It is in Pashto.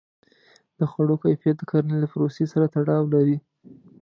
د خوړو کیفیت د کرنې له پروسې سره تړاو لري.